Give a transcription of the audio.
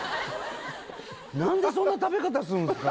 何でそんな食べ方すんすか？